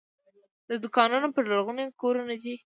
د دوکانونو پر لرغوني کورونه دي.